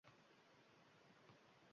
Lift dushanbagacha ishlamas ekan.